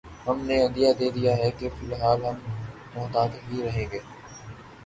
ہم نے عندیہ دے دیا ہے کہ فی الحال ہم محتاط ہی رہیں گے۔